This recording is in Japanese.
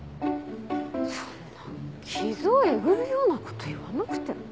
そんな傷をえぐるようなこと言わなくても。